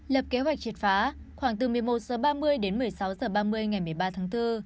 lập kế hoạch triệt phá khoảng từ một mươi một h ba mươi đến một mươi sáu h ba mươi ngày một mươi ba tháng bốn